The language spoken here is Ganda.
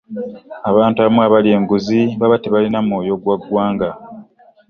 abantu abamu abalya enguzi baba tebalina mwoyo gwa ggwanga.